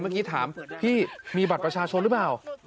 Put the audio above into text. เมื่อกี้ถามพี่มีบัตรประชาชนหรือเปล่า